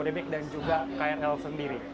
lrt jakarta dan juga mrt jakarta